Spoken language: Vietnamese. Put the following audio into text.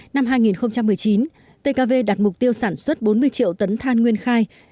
năm hai nghìn một mươi chín tkv đặt mục tiêu sản xuất bốn mươi triệu tấn than nguyên khai